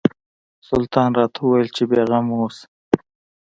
سلطان راته وویل چې بېغمه اوسه.